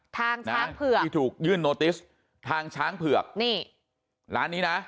ช้างเผือกที่ถูกยื่นโนติสทางช้างเผือกนี่ร้านนี้นะ